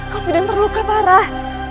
kau sedang terluka parah